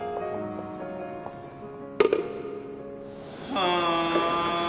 はあ。